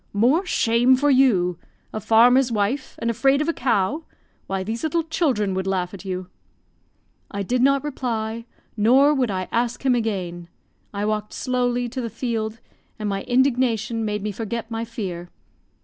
"More shame for you! A farmer's wife, and afraid of a cow! Why, these little children would laugh at you." I did not reply, nor would I ask him again. I walked slowly to the field, and my indignation made me forget my fear.